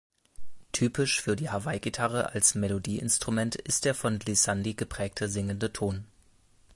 Typisch für die Hawaiigitarre als Melodieinstrument ist der von Glissandi geprägte singende Ton.